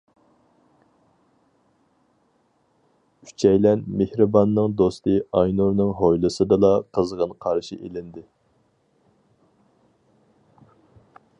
ئۈچەيلەن مېھرىباننىڭ دوستى ئاينۇرنىڭ ھويلىسىدىلا قىزغىن قارشى ئېلىندى.